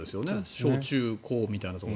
小中高みたいなところ。